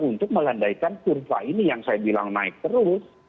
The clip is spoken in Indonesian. untuk melandaikan kurva ini yang saya bilang naik terus